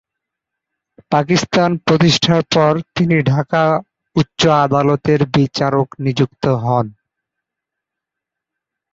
পাকিস্তান প্রতিষ্ঠার পর তিনি ঢাকা উচ্চ আদালতের বিচারক নিযুক্ত হন।